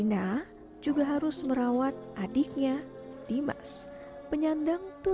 dan ya aku gak bisa berusaha untuk menjalankan aja kondisi ini gitu